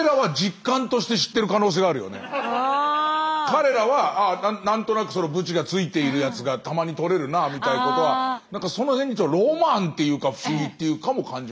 彼らは何となくブチがついているやつがたまにとれるなみたいなことはなんかその辺にロマンっていうか不思議っていうかも感じますね。